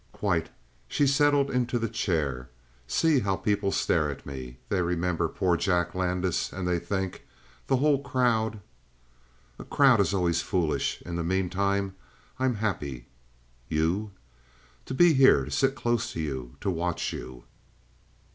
"Quite." She settled into the chair. "See how people stare at me! They remember poor Jack Landis and they think the whole crowd " "A crowd is always foolish. In the meantime, I'm happy." "You?" "To be here; to sit close to you; to watch you."